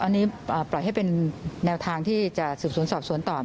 อันนี้ปล่อยให้เป็นแนวทางที่จะสืบสวนสอบสวนต่อ